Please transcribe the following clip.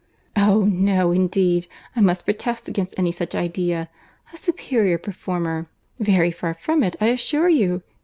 "Oh! no, indeed; I must protest against any such idea. A superior performer!—very far from it, I assure you.